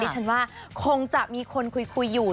ฉันว่าคงจะมีคนคุยอยู่